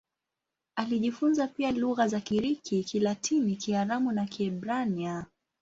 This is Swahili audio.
Alijifunza pia lugha za Kigiriki, Kilatini, Kiaramu na Kiebrania.